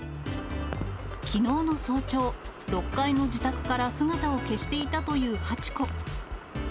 きのうの早朝、６階の自宅から姿を消していたというはちこ。